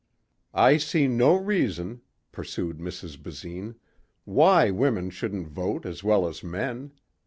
"I see no reason," pursued Mrs. Basine, "why women shouldn't vote as well as men.